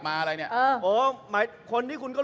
คุณจิลายุเขาบอกว่ามันควรทำงานร่วมกัน